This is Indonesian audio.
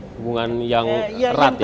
hubungan yang erat ya